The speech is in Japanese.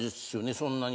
そんなに。